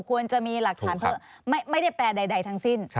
ควรจะมีหลักฐานเพิ่มไม่ได้แปลใดทั้งสิ้น